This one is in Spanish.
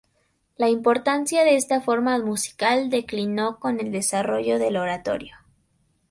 La importancia de esta forma musical declinó con el desarrollo del oratorio.